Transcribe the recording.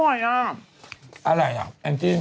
อร่อยอ่ะอะไรอ่ะจริง